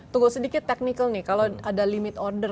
tunggu sedikit technical nih kalau ada limit order